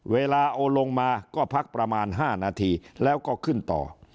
เวลาเอาลงมาก็พักประมาณ๕นาทีแล้วก็ขึ้นต่อ